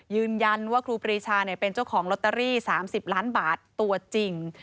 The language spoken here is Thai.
ยืนยันว่าครูปรีชาเป็นเจ้าของลอตเตอรี่๓๐ล้านบาทตัวจริง